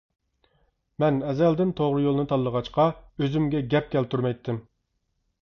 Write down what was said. مەن ئەزەلدىن توغرا يولنى تاللىغاچقا ئۆزۈمگە گەپ كەلتۈرمەيتتىم.